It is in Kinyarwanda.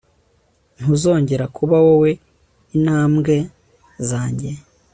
ntuzongera kuba wowe intambwe zanjye